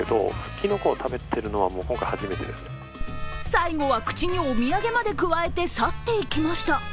最後は口にお土産までくわえて去っていきました。